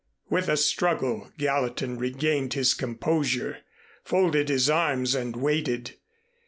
With a struggle Gallatin regained his composure, folded his arms and waited.